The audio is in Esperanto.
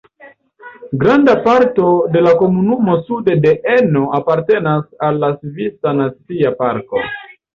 Granda parto de la komunumo sude de Eno apartenas al la Svisa Nacia Parko.